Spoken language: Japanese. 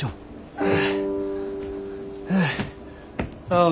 ああ。